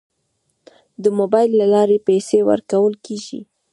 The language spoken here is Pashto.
د موبایل له لارې پیسې ورکول کیږي.